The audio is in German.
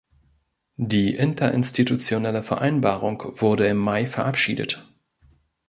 Die interinstitutionelle Vereinbarung wurde im Mai verabschiedet.